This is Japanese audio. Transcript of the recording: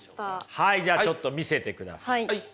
はいじゃあちょっと見せてください。